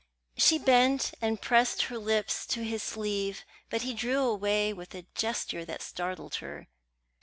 She bent and pressed her lips to his sleeve; but he drew away with a gesture that startled her.